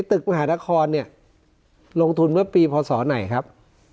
ตึกมหานครเนี่ยลงทุนเมื่อปีพศไหนครับ